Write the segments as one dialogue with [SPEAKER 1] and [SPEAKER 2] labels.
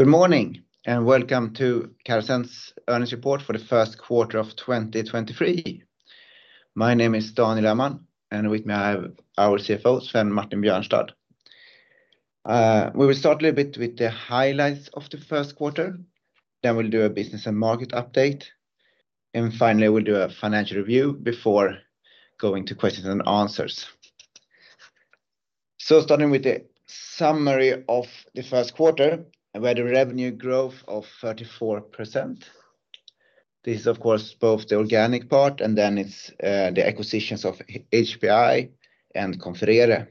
[SPEAKER 1] Good morning, and welcome to Carasent's earnings report for the first quarter of 2023. My name is Daniel Öhman, and with me I have our CFO, Svein Martin Bjørnstad. We will start a little bit with the highlights of the first quarter, then we'll do a business and market update, and finally, we'll do a financial review before going to questions and answers. Starting with the summary of the first quarter, we had a revenue growth of 34%. This is of course both the organic part and then it's the acquisitions of HPI and Confrere.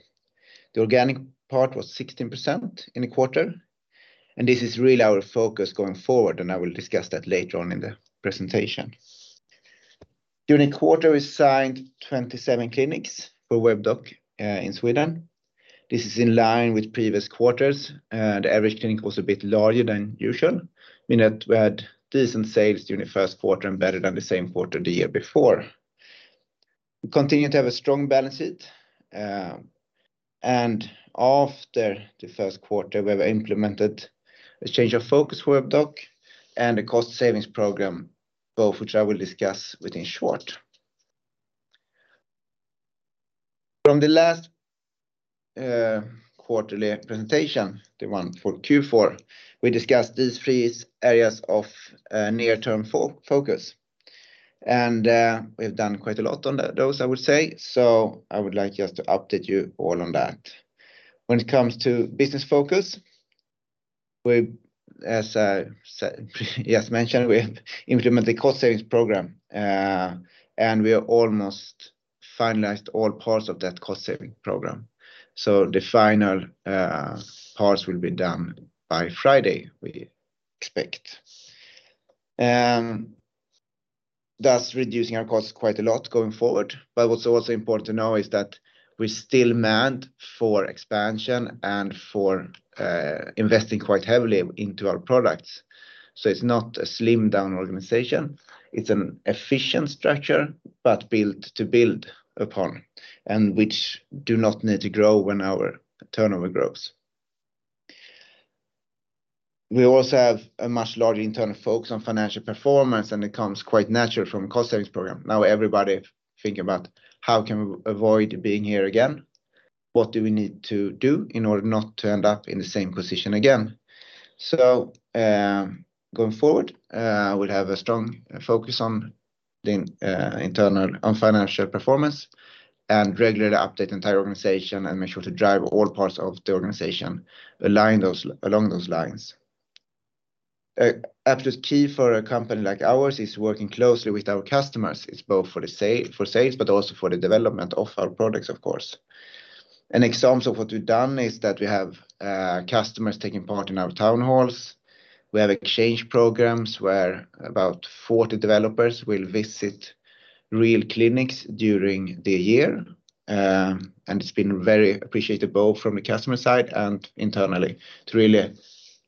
[SPEAKER 1] The organic part was 16% in the quarter, and this is really our focus going forward, and I will discuss that later on in the presentation. During the quarter, we signed 27 clinics for Webdoc in Sweden. This is in line with previous quarters. The average clinic was a bit larger than usual, meaning that we had decent sales during the first quarter and better than the same quarter the year before. We continue to have a strong balance sheet, and after the first quarter, we have implemented a change of focus for Webdoc and a cost savings program, both which I will discuss within short. From the last quarterly presentation, the one for Q4, we discussed these three areas of near-term focus. We've done quite a lot on those, I would say. I would like just to update you all on that. When it comes to business focus, we, as I just mentioned, we have implemented the cost savings program, and we have almost finalized all parts of that cost saving program. The final parts will be done by Friday, we expect. That's reducing our costs quite a lot going forward. What's also important to know is that we still manned for expansion and for investing quite heavily into our products. It's not a slimmed down organization. It's an efficient structure, but built to build upon, and which do not need to grow when our turnover grows. We also have a much larger internal focus on financial performance, and it comes quite natural from cost savings program. Everybody think about how can we avoid being here again? What do we need to do in order not to end up in the same position again? Going forward, we'll have a strong focus on the internal and financial performance and regularly update the entire organization and make sure to drive all parts of the organization align those, along those lines. A absolute key for a company like ours is working closely with our customers. It's both for sales, but also for the development of our products, of course. An example of what we've done is that we have customers taking part in our town halls. We have exchange programs, where about 40 developers will visit real clinics during the year. It's been very appreciated both from the customer side and internally to really,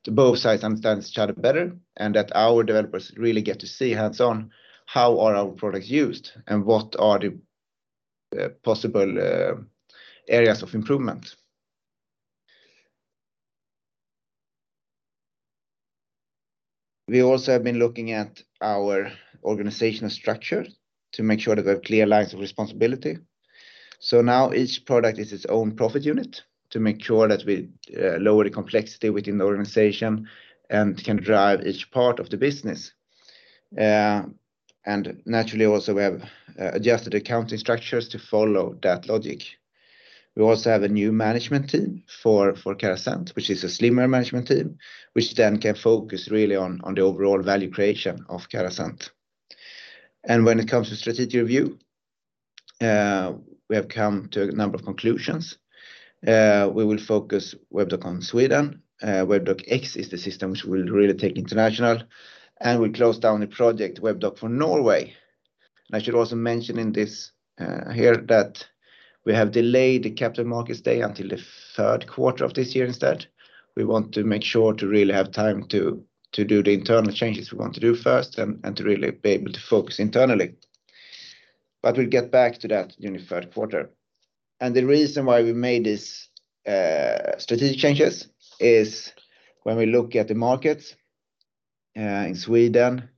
[SPEAKER 1] to both sides understand each other better, and that our developers really get to see hands-on how are our products used and what are the possible areas of improvement. We also have been looking at our organizational structure to make sure that we have clear lines of responsibility. Now each product is its own profit unit to make sure that we lower the complexity within the organization and can drive each part of the business. Naturally also we have adjusted accounting structures to follow that logic. We also have a new management team for Carasent, which is a slimmer management team, which then can focus really on the overall value creation of Carasent. When it comes to strategic review, we have come to a number of conclusions. We will focus Webdoc on Sweden. Webdoc X is the system which we'll really take international. We close down the project Webdoc for Norway. I should also mention in this here that we have delayed the capital markets day until the third quarter of this year instead. We want to make sure to really have time to do the internal changes we want to do first and to really be able to focus internally. We'll get back to that during the third quarter. The reason why we made these strategic changes is when we look at the markets in Sweden,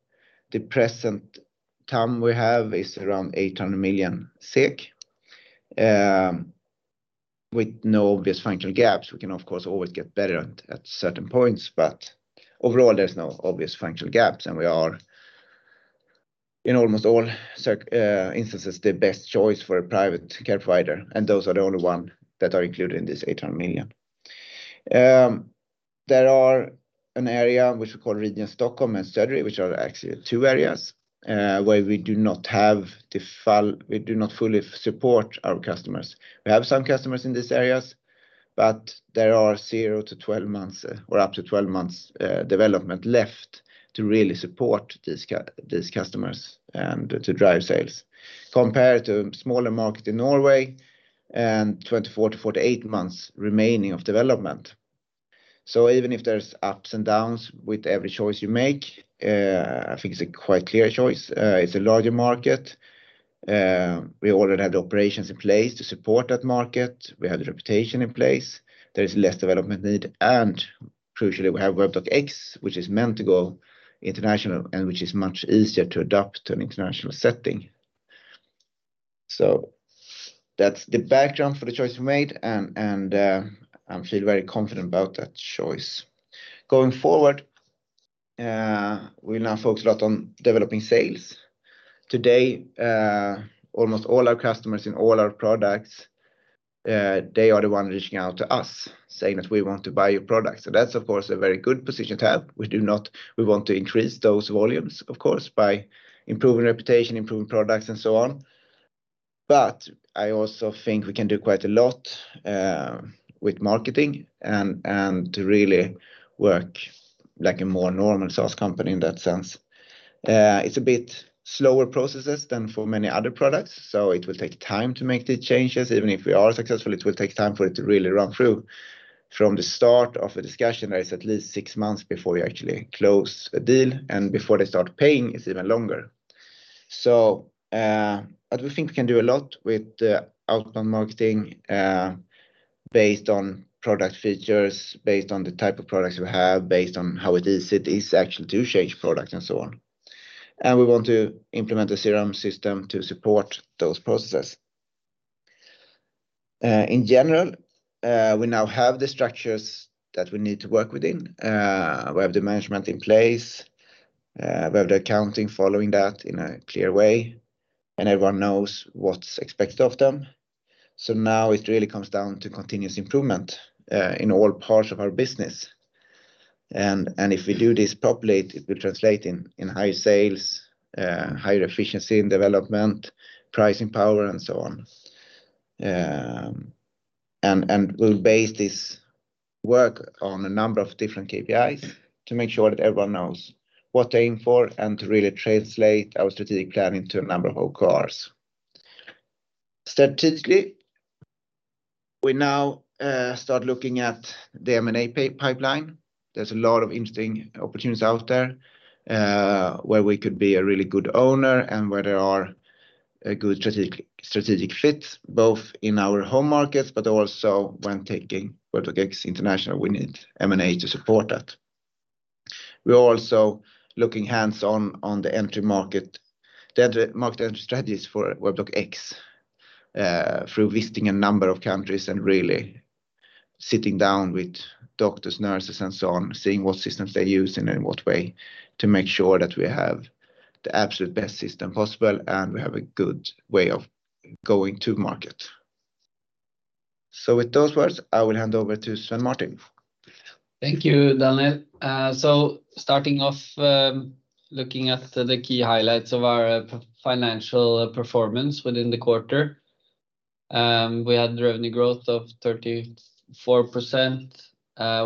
[SPEAKER 1] the present TAM we have is around 800 million SEK with no obvious functional gaps. We can of course always get better at certain points, but overall, there's no obvious functional gaps. We are in almost all instances, the best choice for a private care provider, and those are the only one that are included in this 800 million SEK. There are an area which we call Region Stockholm and Södra, which are actually two areas, where we do not have the full, we do not fully support our customers. We have some customers in these areas, but there are 0 to 12 months or up to 12 months development left to really support these customers and to drive sales, compared to a smaller market in Norway and 24 to 48 months remaining of development. Even if there's ups and downs with every choice you make, I think it's a quite clear choice. It's a larger market. We already had the operations in place to support that market. We have the reputation in place. There is less development need. Crucially, we have Webdoc X, which is meant to go international and which is much easier to adapt to an international setting. That's the background for the choice we made and I feel very confident about that choice. Going forward, we now focus a lot on developing sales. Today, almost all our customers in all our products, they are the one reaching out to us saying that we want to buy your product. That's of course, a very good position to have. We want to increase those volumes, of course, by improving reputation, improving products, and so on. I also think we can do quite a lot with marketing and to really work like a more normal SaaS company in that sense. It's a bit slower processes than for many other products, so it will take time to make the changes. Even if we are successful, it will take time for it to really run through. From the start of a discussion, that is at least six months before we actually close a deal, and before they start paying, it's even longer. We think we can do a lot with the outbound marketing based on product features, based on the type of products we have, based on how easy it is actually to change products, and so on. We want to implement a CRM system to support those processes. In general, we now have the structures that we need to work within. We have the management in place, we have the accounting following that in a clear way, and everyone knows what's expected of them. Now it really comes down to continuous improvement in all parts of our business. If we do this properly, it will translate in high sales, higher efficiency in development, pricing power, and so on. We'll base this work on a number of different KPIs to make sure that everyone knows what to aim for and to really translate our strategic plan into a number of OKRs. Strategically, we now start looking at the M&A pipeline. There's a lot of interesting opportunities out there, where we could be a really good owner and where there are a good strategic fit, both in our home markets, but also when taking Webdoc X international, we need M&A to support that. We are also looking hands-on on the entry market, the market entry strategies for Webdoc X, through visiting a number of countries and really sitting down with doctors, nurses, and so on, seeing what systems they use and in what way to make sure that we have the absolute best system possible and we have a good way of going to market. With those words, I will hand over to Svein Martin.
[SPEAKER 2] Thank you, Daniel. Starting off, looking at the key highlights of our financial performance within the quarter. We had revenue growth of 34%.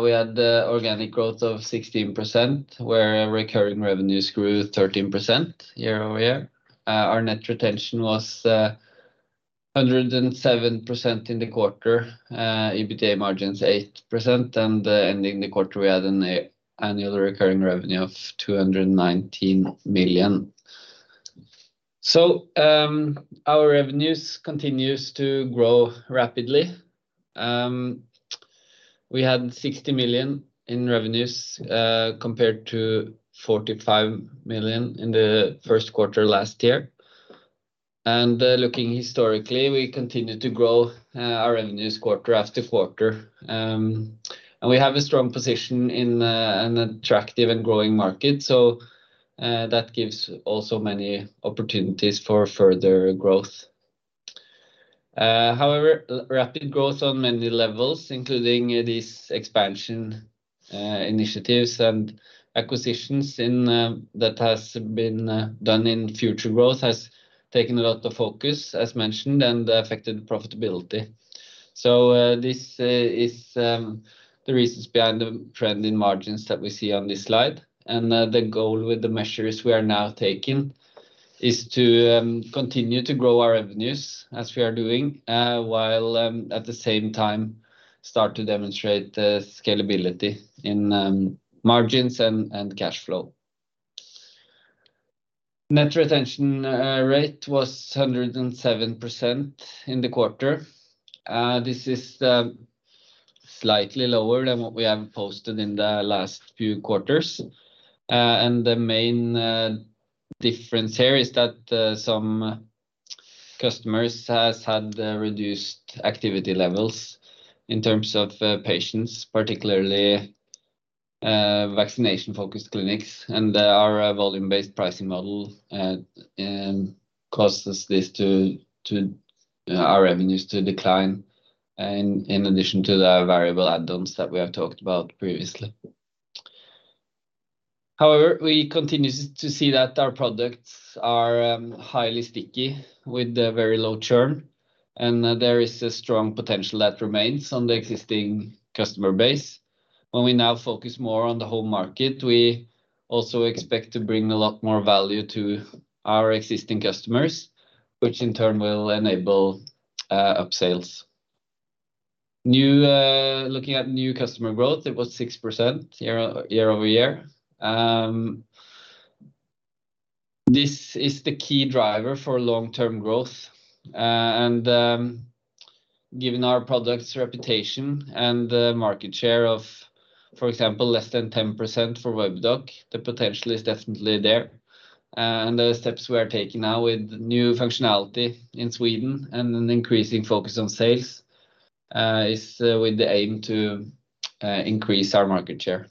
[SPEAKER 2] We had organic growth of 16%, where recurring revenues grew 13% year-over-year. Our net retention was 107% in the quarter, EBITDA margins 8%. Ending the quarter, we had annual recurring revenue of 219 million. Our revenues continues to grow rapidly. We had 60 million in revenues compared to 45 million in the first quarter last year. Looking historically, we continue to grow our revenues quarter after quarter. We have a strong position in an attractive and growing market. That gives also many opportunities for further growth. However, rapid growth on many levels, including these expansion initiatives and acquisitions in that has been done in future growth, has taken a lot of focus, as mentioned, and affected profitability. This is the reasons behind the trend in margins that we see on this slide. The goal with the measures we are now taking is to continue to grow our revenues as we are doing while at the same time start to demonstrate the scalability in margins and cash flow. Net retention rate was 107% in the quarter. This is slightly lower than what we have posted in the last few quarters. The main difference here is that some customers has had reduced activity levels in terms of patients, particularly vaccination-focused clinics. Our volume-based pricing model causes this to our revenues to decline and in addition to the variable add-ons that we have talked about previously. However, we continue to see that our products are highly sticky with a very low churn, and there is a strong potential that remains on the existing customer base. When we now focus more on the home market, we also expect to bring a lot more value to our existing customers, which in turn will enable upsales. New, looking at new customer growth, it was 6% year-over-year. This is the key driver for long-term growth. Given our product's reputation and the market share of, for example, less than 10% for Webdoc, the potential is definitely there. The steps we are taking now with new functionality in Sweden and an increasing focus on sales, is with the aim to increase our market share.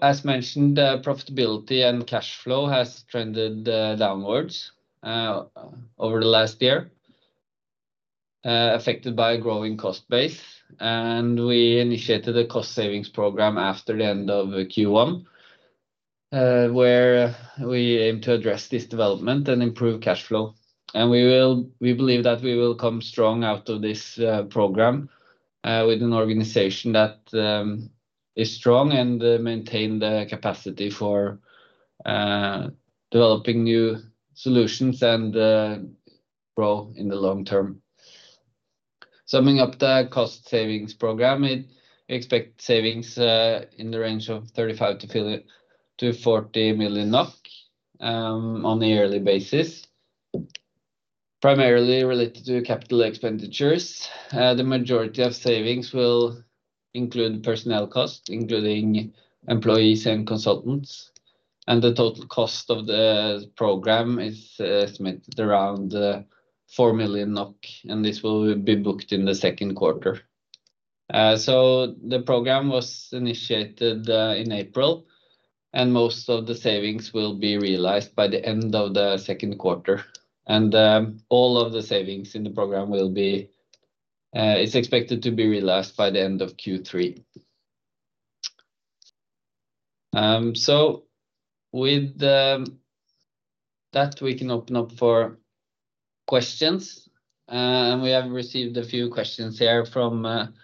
[SPEAKER 2] As mentioned, profitability and cash flow has trended downwards over the last year, affected by a growing cost base, and we initiated a cost savings program after the end of Q1, where we aim to address this development and improve cash flow. We believe that we will come strong out of this program, with an organization that is strong and maintain the capacity for developing new solutions and grow in the long term. Summing up the cost savings program, expect savings in the range of 35 to fill it to 40 million NOK on a yearly basis, primarily related to capital expenditures. The majority of savings will include personnel costs, including employees and consultants. The total cost of the program is estimated around 4 million NOK, and this will be booked in the second quarter. The program was initiated in April, and most of the savings will be realized by the end of the second quarter. All of the savings in the program will be, is expected to be realized by the end of Q3. With that, we can open up for questions. We have received a few questions here from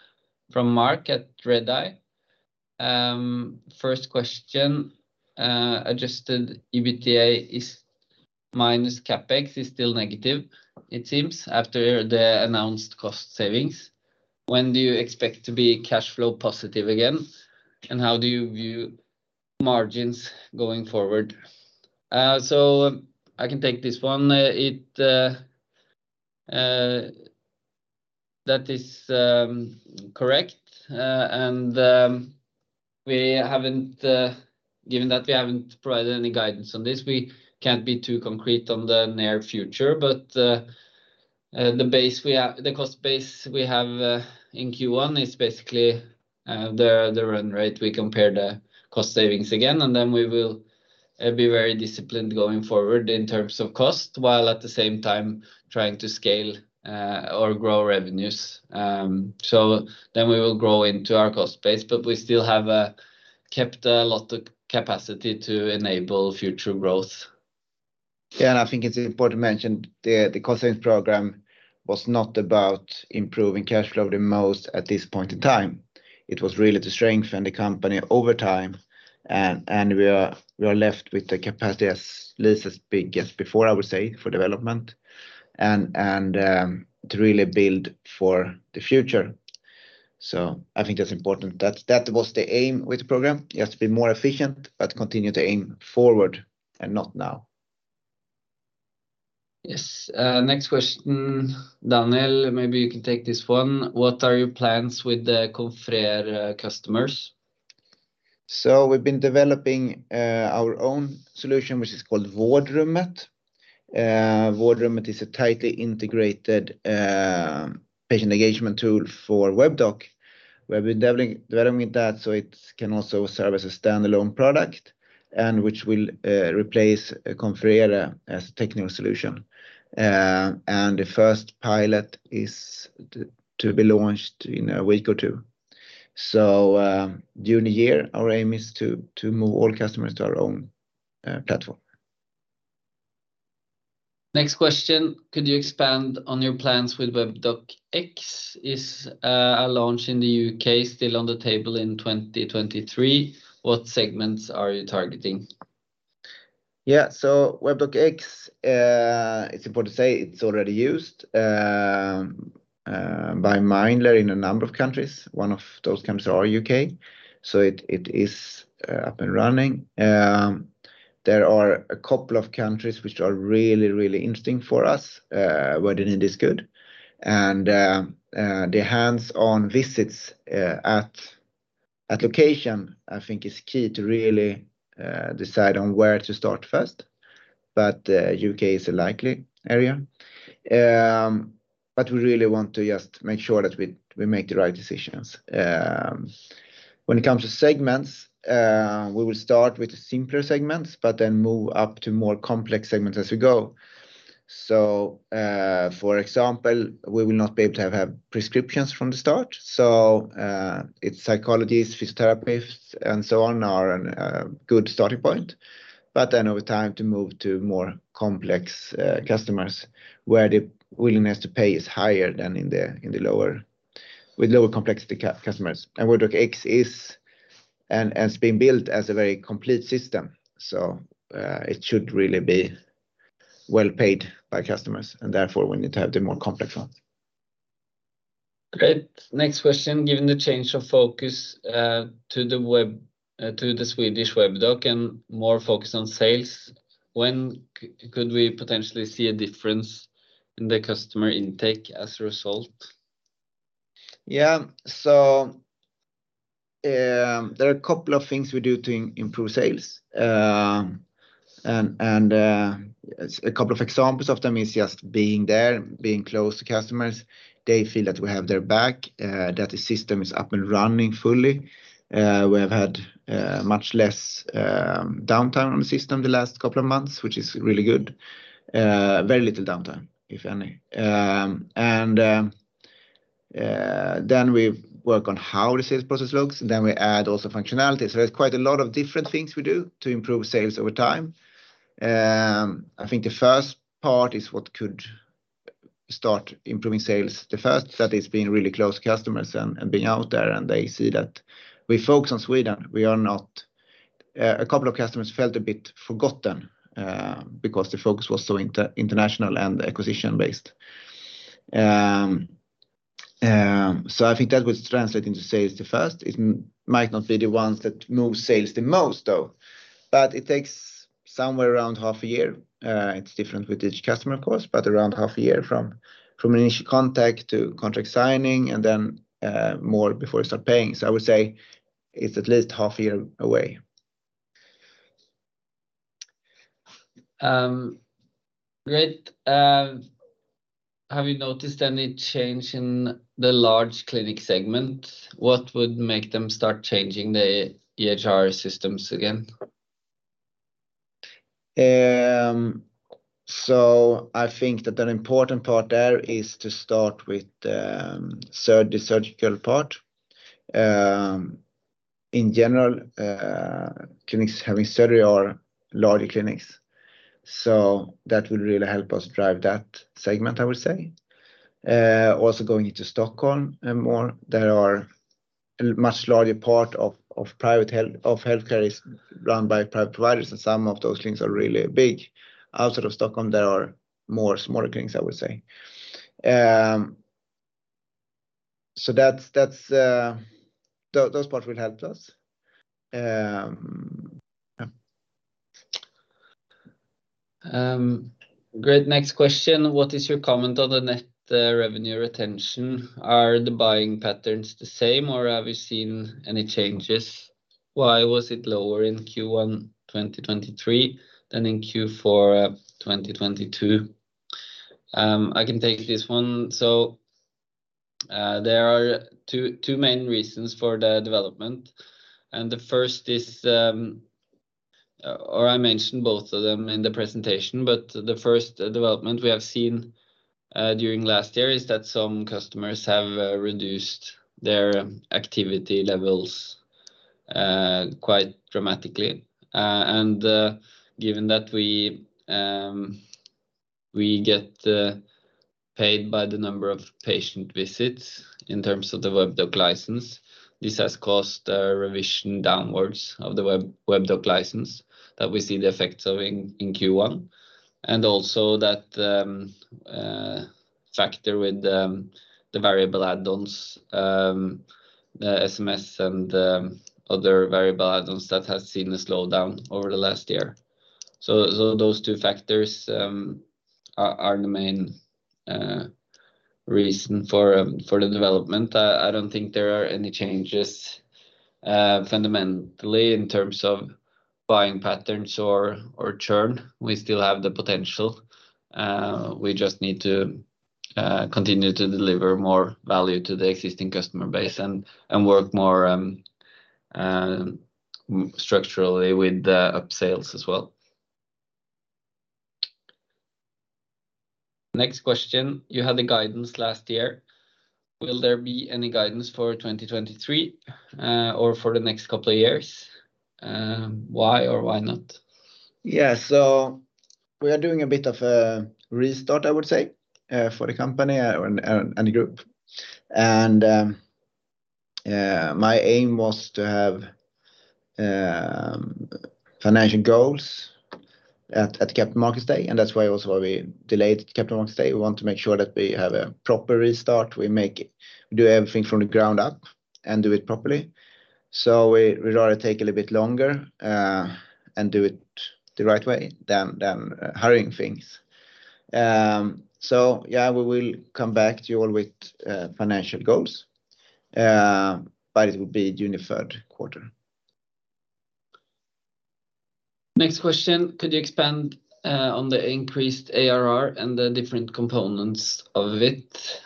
[SPEAKER 2] Mark at Redeye. First question, adjusted EBITDA is minus CapEx is still negative, it seems, after the announced cost savings. When do you expect to be cash flow positive again, and how do you view margins going forward? I can take this one. It that is correct. We haven't given that we haven't provided any guidance on this, we can't be too concrete on the near future. The cost base we have in Q1 is basically the run rate. We compare the cost savings again, we will be very disciplined going forward in terms of cost, while at the same time trying to scale or grow revenues. We will grow into our cost base. We still have kept a lot of capacity to enable future growth.
[SPEAKER 1] I think it's important to mention the cost savings program was not about improving cash flow the most at this point in time. It was really to strengthen the company over time. We are left with the capacity as least as big as before, I would say, for development and to really build for the future. I think that's important. That was the aim with the program. It has to be more efficient, continue to aim forward and not now.
[SPEAKER 2] Yes. Next question. Daniel, maybe you can take this one. What are your plans with the Confrere customers?
[SPEAKER 1] We've been developing our own solution, which is called Vårdrummet. Vårdrummet is a tightly integrated patient engagement tool for Webdoc. We've been developing that, so it can also serve as a standalone product and which will replace Confrere as a technical solution. The first pilot is to be launched in a week or two. During the year, our aim is to move all customers to our own platform.
[SPEAKER 2] Next question. Could you expand on your plans with Webdoc X? Is a launch in the UK still on the table in 2023? What segments are you targeting?
[SPEAKER 1] Yeah. Webdoc X, it's important to say it's already used by Mindler in a number of countries. One of those countries are UK. It is up and running. There are a couple of countries which are really, really interesting for us, where the need is good. The hands-on visits at location I think is key to really decide on where to start first. UK is a likely area. We really want to just make sure that we make the right decisions. When it comes to segments, we will start with the simpler segments, move up to more complex segments as we go. For example, we will not be able to have prescriptions from the start, its psychologists, physiotherapists, and so on are an good starting point. Over time to move to more complex customers where the willingness to pay is higher than with lower complexity customers. Webdoc X it's been built as a very complete system. It should really be well paid by customers, and therefore we need to have the more complex ones.
[SPEAKER 2] Great. Next question. Given the change of focus, to the Swedish Webdoc and more focus on sales, when could we potentially see a difference in the customer intake as a result?
[SPEAKER 1] Yeah. There are a couple of things we do to improve sales. A couple of examples of them is just being there, being close to customers. They feel that we have their back, that the system is up and running fully. We have had much less downtime on the system the last couple of months, which is really good. Very little downtime, if any. We work on how the sales process looks, and then we add also functionality. There's quite a lot of different things we do to improve sales over time. I think the first part is what could start improving sales. The first study is being really close customers and being out there, and they see that we focus on Sweden. We are not. A couple of customers felt a bit forgotten because the focus was so inter-international and acquisition based. I think that would translate into sales the first. It might not be the ones that move sales the most, though. It takes somewhere around half a year. It's different with each customer, of course, but around half a year from an initial contact to contract signing and then more before you start paying. I would say it's at least half a year away.
[SPEAKER 2] Great. Have you noticed any change in the large clinic segment? What would make them start changing their EHR systems again?
[SPEAKER 1] I think that an important part there is to start with the surgical part. In general, clinics having surgery are larger clinics, so that would really help us drive that segment, I would say. Also going into Stockholm and more, there are much larger part of healthcare is run by private providers, and some of those things are really big. Outside of Stockholm, there are more smaller clinics, I would say. That's those parts will help us. Yeah.
[SPEAKER 2] Great. Next question. What is your comment on the net revenue retention? Are the buying patterns the same, or have you seen any changes? Why was it lower in Q1, 2023 than in Q4, 2022? I can take this one. There are two main reasons for the development. The first is... Or I mentioned both of them in the presentation, but the first development we have seen during last year is that some customers have reduced their activity levels quite dramatically. And given that we get paid by the number of patient visits in terms of the Webdoc license, this has caused a revision downwards of the Webdoc license that we see the effects of in Q1. Also that factor with the variable add-ons, the SMS and other variable add-ons that has seen a slowdown over the last year. Those two factors are the main reason for the development. I don't think there are any changes fundamentally in terms of buying patterns or churn. We still have the potential. We just need to continue to deliver more value to the existing customer base and work more structurally with the upsales as well. Next question. You had a guidance last year. Will there be any guidance for 2023 or for the next couple of years? Why or why not?
[SPEAKER 1] Yeah. We are doing a bit of a restart, I would say, for the company and the group. My aim was to have financial goals at the Capital Markets Day, that's why also we delayed the Capital Markets Day. We want to make sure that we have a proper restart. Do everything from the ground up and do it properly. We'd rather take a little bit longer and do it the right way than hurrying things. Yeah, we will come back to you all with financial goals, but it will be during the third quarter.
[SPEAKER 2] Next question. Could you expand on the increased ARR and the different components of it?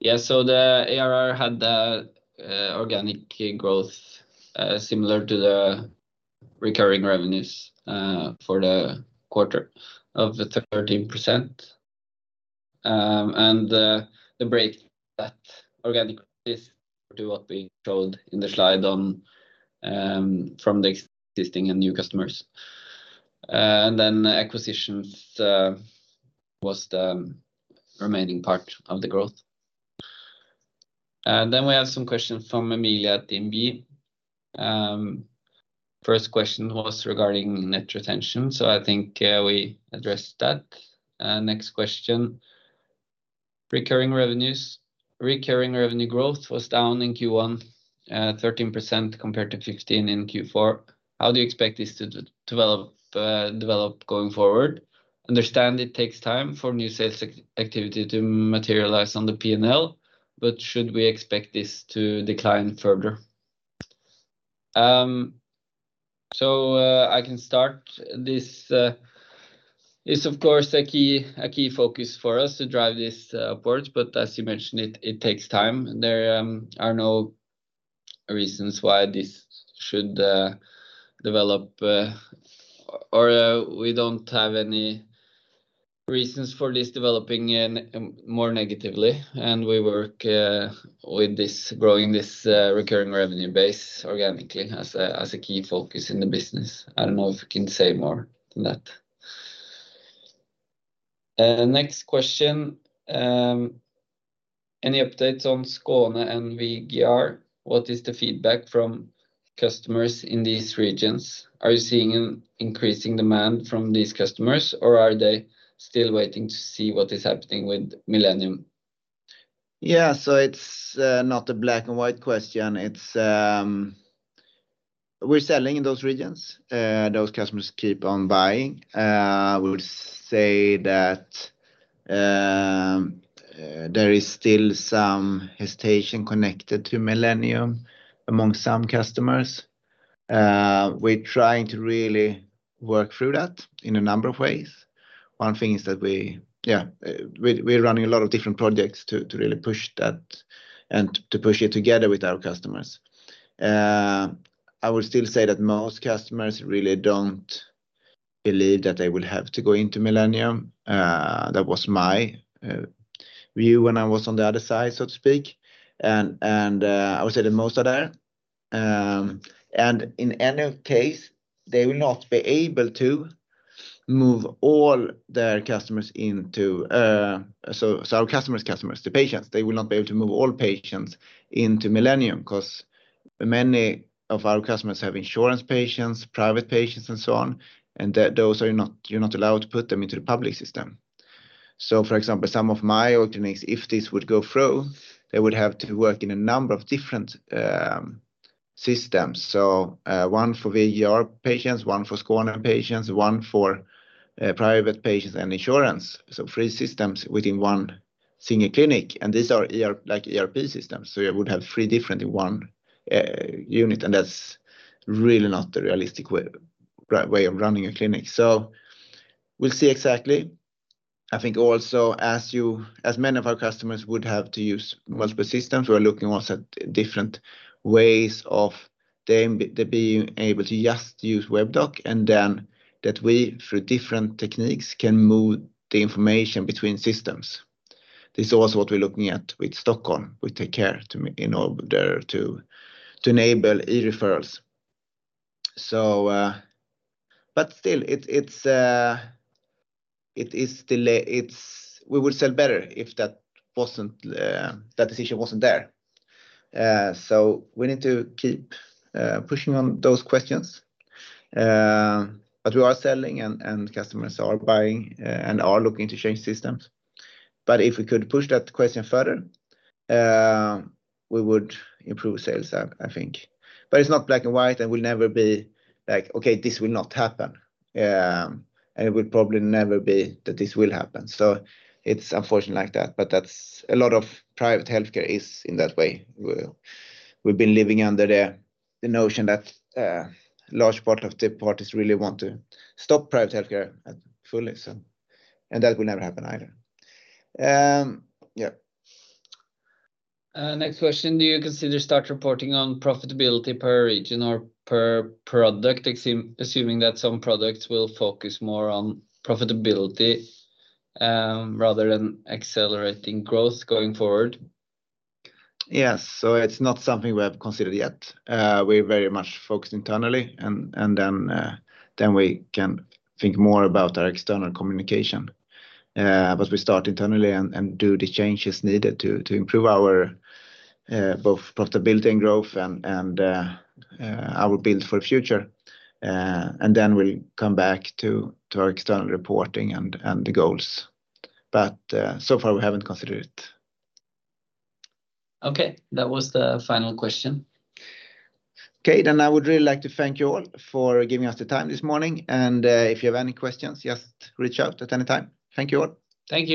[SPEAKER 2] Yeah. The ARR had the organic growth similar to the recurring revenues for the quarter of the 13%. The break that organic is to what we showed in the slide on from the existing and new customers. Acquisitions was the remaining part of the growth. We have some questions from Anelia at DNB. First question was regarding net retention. I think we addressed that. Next question, recurring revenues. Recurring revenue growth was down in Q1, 13% compared to 15% in Q4. How do you expect this to develop going forward? Understand it takes time for new sales activity to materialize on the P&L, should we expect this to decline further? I can start this. It's of course, a key focus for us to drive this upwards, but as you mentioned, it takes time. There are no reasons why this should develop or we don't have any reasons for this developing in more negatively. We work with this, growing this recurring revenue base organically as a key focus in the business. I don't know if you can say more than that. Next question. Any updates on Skåne and VGR? What is the feedback from customers in these regions? Are you seeing an increasing demand from these customers, or are they still waiting to see what is happening with Millennium?
[SPEAKER 1] It's not a black and white question. It's... We're selling in those regions. Those customers keep on buying. We would say that there is still some hesitation connected to Millennium among some customers. We're trying to really work through that in a number of ways. One thing is that we, yeah, we're running a lot of different projects to really push that and to push it together with our customers. I would still say that most customers really don't believe that they will have to go into Millennium. That was my view when I was on the other side, so to speak. I would say that most are there. In any case, they will not be able to move all their customers into... Our customers, the patients, they will not be able to move all patients into Millennium because many of our customers have insurance patients, private patients and so on, and those are not, you're not allowed to put them into the public system. For example, some of my organizations, if this would go through, they would have to work in a number of different systems. A one for VGR patients, one for Skåne patients, one for private patients and insurance. Three systems within one single clinic. These are like ERP systems. You would have three different in one unit, and that's really not the realistic way of running a clinic. We'll see exactly. I think also as you, as many of our customers would have to use multiple systems, we're looking also at different ways of them being able to just use Webdoc and then that we, through different techniques, can move the information between systems. This is also what we're looking at with Stockholm, with TakeCare in order to enable e-referrals. Still it's, it is delay, it's we would sell better if that wasn't, that decision wasn't there. We need to keep pushing on those questions. We are selling and customers are buying and are looking to change systems. If we could push that question further, we would improve sales, I think. It's not black and white and will never be like, "Okay, this will not happen." It will probably never be that this will happen. It's unfortunately like that, but that's a lot of private healthcare is in that way. We've been living under the notion that large part of the parties really want to stop private healthcare at fully so. That will never happen either.
[SPEAKER 2] Next question. Do you consider start reporting on profitability per region or per product, assuming that some products will focus more on profitability, rather than accelerating growth going forward?
[SPEAKER 1] Yes. It's not something we have considered yet. We're very much focused internally and then, we can think more about our external communication. We start internally and do the changes needed to improve our, both profitability and growth and, our build for the future. We'll come back to our external reporting and the goals. So far we haven't considered it.
[SPEAKER 2] Okay. That was the final question.
[SPEAKER 1] Okay. I would really like to thank you all for giving us the time this morning. If you have any questions, just reach out at any time. Thank you all.
[SPEAKER 2] Thank you.